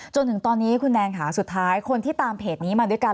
จนถึงตอนนี้คุณแนนค่ะสุดท้ายคนที่ตามเพจนี้มาด้วยกัน